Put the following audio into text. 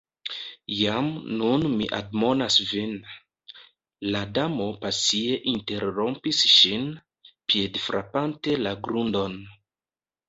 "Jam nun mi admonas vin," la Damo pasie interrompis ŝin, piedfrapante la grundon